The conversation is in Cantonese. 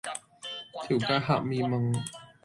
條街黑咪蚊